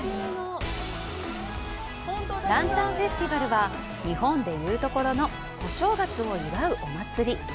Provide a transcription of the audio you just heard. ランタンフェスティバルは、日本で言うところの小正月を祝うお祭り。